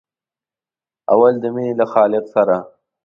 اول د مینې له خالق سره.